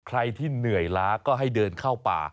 ใครที่เหนื่อยล้าก็ให้เดินเข้าป่า